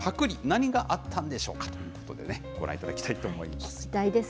何があったんでしょうかということでね、ご覧いただきたいと思います。